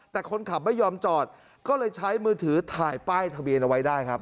แต่คนขับไม่ยอมจอดก็เลยใช้มือถือถ่ายป้ายทะเบียนเอาไว้ได้ครับ